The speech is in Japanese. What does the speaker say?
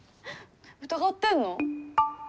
疑ってんの？